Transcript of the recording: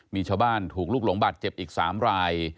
มีชาวบ้านถูกลุกหลงบาดเจ็บอีก๓ราย